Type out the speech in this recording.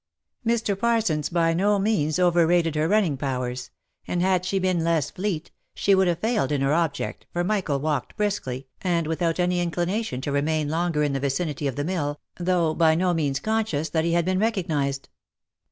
Mr. Parsons by no means over rated her running powers; and had she been less fleet, she would have failed in her object, for Michael walked briskly, and without any inclination to remain longer in the vicinity of the mill, though by no means conscious that he had been recognised.